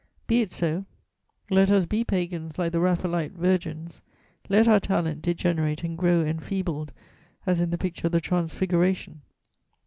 Be it so; let us be pagans like the Raphaelite Virgins; let our talent degenerate and grow enfeebled as in the picture of the _Transfiguration!